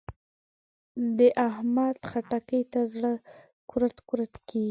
د احمد؛ خټکي ته زړه کورت کورت کېږي.